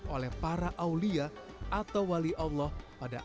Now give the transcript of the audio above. oleh para awliya atau wali allah pada abad ke enam belas